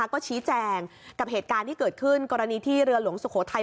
ก็ชี้แจงกับเหตุการณ์ที่เกิดขึ้นกรณีที่เรือหลวงสุโขทัย